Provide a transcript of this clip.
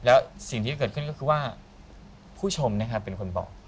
แล้วสิ่งที่เกิดขึ้นก็คือว่าผู้ชมนะครับเป็นคนบอก